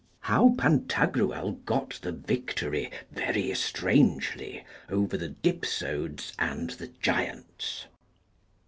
How Pantagruel got the victory very strangely over the Dipsodes and the Giants.